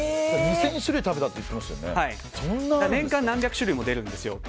２０００種類食べたって年間に何百種類も出るんですよ。